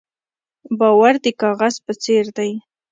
باور د کاغذ په څېر دی.